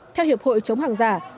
theo hiệp hội chống hàng giả